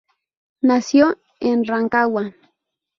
Nació en Rancagua.